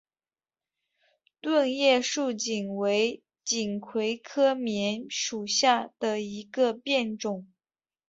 钝叶树棉为锦葵科棉属下的一个变种。